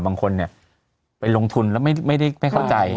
บางคนไปลงทุนแล้วไม่เข้าใจ